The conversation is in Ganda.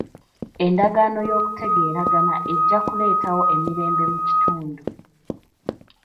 Endagaano y'okutegeeragana ejja kuleetawo emirembe mu kitundu.